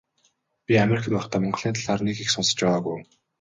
Би Америкт байхдаа Монголын талаар нэг их сонсож байгаагүй.